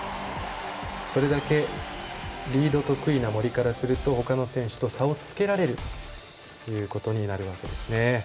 それだけリード得意な森からすると他の選手と差をつけられるということになるわけですね。